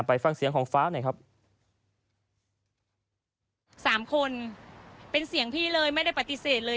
ไปฟังเสียงของฟ้าหน่อยครับสามคนเป็นเสียงพี่เลยไม่ได้ปฏิเสธเลย